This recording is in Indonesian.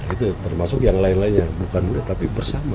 itu termasuk yang lain lainnya bukan murid tapi bersama